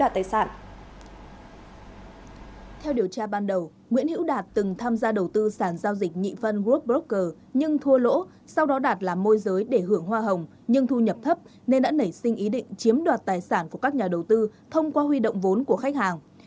theo điều tra ban đầu nguyễn hữu đạt từng tham gia đầu tư sản giao dịch nhị phân world broker nhưng thua lỗ sau đó đạt làm môi giới để hưởng hoa hồng nhưng thu nhập thấp nên đã nảy sinh ý định chiếm đoạt tài sản của khách hàng